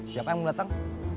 siapa yang mau datang